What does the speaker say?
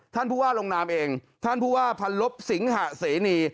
ท่านผู้ว่าลงนามเองท่านผู้ว่าพันลบสิงหะเสนี